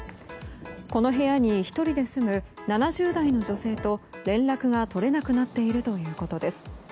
この部屋に１人で済む７０代の女性と連絡が取れなくなっているということです。